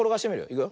いくよ。